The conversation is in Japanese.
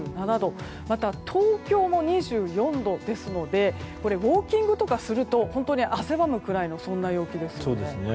また、東京も２４度ですのでウォーキングとかすると汗ばむくらいの陽気ですね。